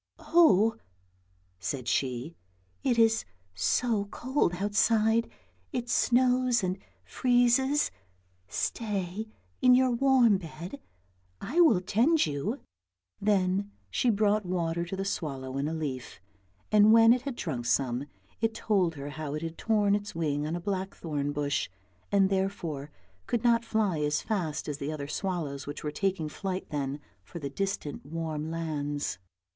" Oh! " said she, " it is so cold outside, it snows and freezes, stay in your warm bed, I will tend you." Then she brought water to the swallow in a leaf, and when it had drunk some, it told her how it had torn its wing on a blackthorn bush, and therefore could not fly as fast as the other swallows which were taking flight then for the distant warm lands.